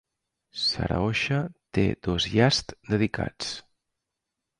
Sraosha té dos yashts dedicats.